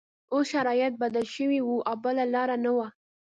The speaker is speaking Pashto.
اوس شرایط بدل شوي وو او بله لاره نه وه